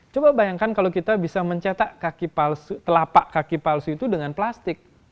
coba bayangkan kalau kita bisa mencetak telapak kaki palsu itu dengan plastik